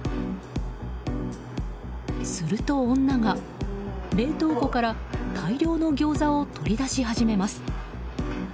すると女が冷凍庫から、大量のギョーザを取り出し始めます。